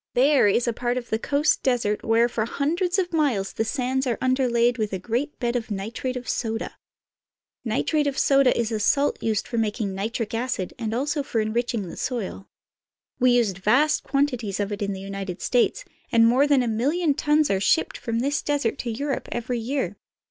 There is a part of the coast desert where for hundreds of miles the sands are underlaid with a great bed of nitrate of soda. Nitrate of soda is a salt used for making nitric acid and also for enriching the soil. We use vast quantities of it in the United States, and more than a million tons, are shipped from this desert to Europe every year.